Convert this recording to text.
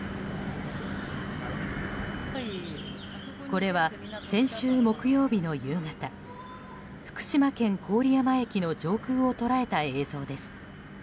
これは先週木曜日の夕方福島県郡山駅の上空を捉えた映像です。